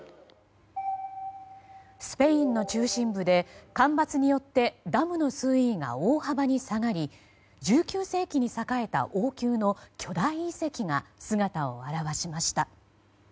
スペインの中心部で干ばつによってダムの水位が大幅に下がり１９世紀に栄えた王宮の巨大遺跡が姿を現しました。